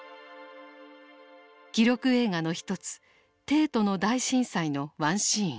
記録映画の一つ「帝都の大震災」のワンシーン。